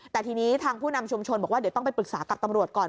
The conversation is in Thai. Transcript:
แต่ทีนี้ทางผู้นำชุมชนบอกว่าเดี๋ยวต้องไปปรึกษากับตำรวจก่อน